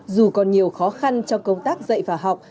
dù còn nhiều khó khăn trong công tác dạy và học